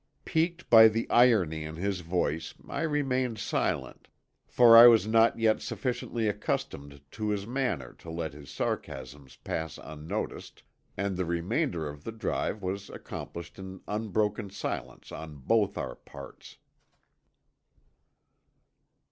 Piqued by the irony in his voice I remained silent, for I was not yet sufficiently accustomed to his manner to let his sarcasms pass unnoticed, and the remainder of the drive was accomplished in unbroken silence on both our parts.